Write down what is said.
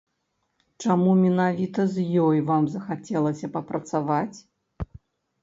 Чаму менавіта з ёй вам захацелася папрацаваць?